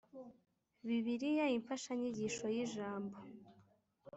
bibiliya imfashanyigisho y ijambo